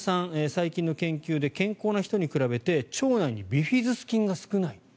最近の研究で健康な人に比べて腸内にビフィズス菌が少ない。